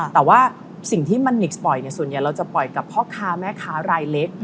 แต่ว่าสิ่งที่มันนิกส์ปล่อยส่วนใหญ่เราจะปล่อยกับพ่อค้าแม่ค้ารายเล็ก